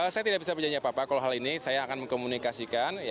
saya tidak bisa berjanji apa apa kalau hal ini saya akan mengkomunikasikan